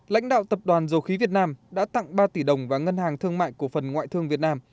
lãnh đạo tập đoàn dầu khí việt nam đã tặng ba tỷ đồng vào ngân hàng thương mại cổ phần ngoại thương việt nam